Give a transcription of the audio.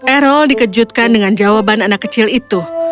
erol dikejutkan dengan jawaban anak kecil itu